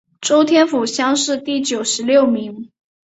顺天府乡试第九十六名。